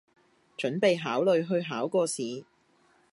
準備考慮去考個試